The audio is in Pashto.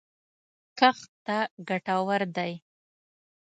کښت ته ګټور دی